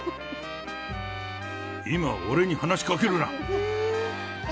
今、俺に話しかけるな。